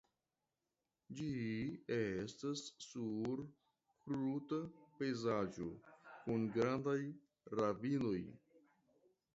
Ĝi estas sur kruta pejzaĝo kun grandaj ravinoj.